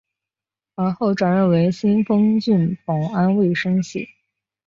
而后转任为新丰郡保安卫生系。